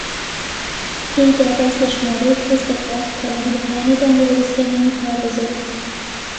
تێیدا باس لە ژمارەیەک کەس دەکات کە لە ململانێدان بۆ بەدەستهێنانی پارە و زەوی